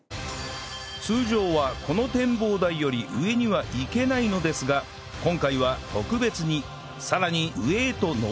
通常はこの展望台より上には行けないのですが今回は特別にさらに上へと上らせて頂ける事に